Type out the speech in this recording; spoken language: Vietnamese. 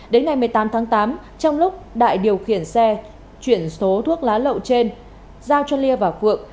đến ngày một mươi tám tháng tám trong lúc đại điều khiển xe chuyển số thuốc lá lậu trên giao cho lya và phượng